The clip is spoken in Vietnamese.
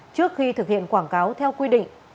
trước khi thực hiện quảng cáo theo quy định